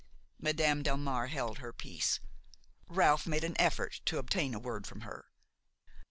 Madame Delmare held her peace. Ralph made an effort to obtain a word from her.